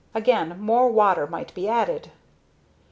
Again, more water might be added.